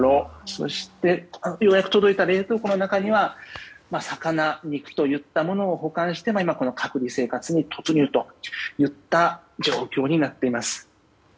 そして、ようやく届いた冷凍庫の中には魚、肉といったものを保管して隔離生活に突入といった状況になっています。